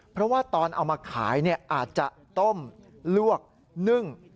เพราะว่าตอนเอามาขายอาจจะต้มลวกนึ่ง